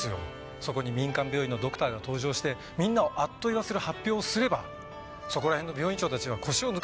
そこに民間病院のドクターが登場してみんなをあっと言わせる発表をすればそこら辺の病院長たちは腰を抜かすでしょう。